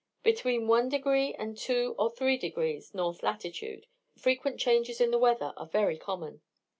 Between 1 and 2 degrees, or 3 degrees North latitude, frequent changes in the weather are very common.